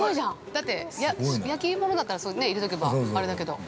だって、焼き物だったら入れとけば、あれだけど。